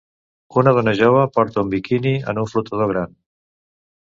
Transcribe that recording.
Una dona jove porta un biquini en un flotador gran.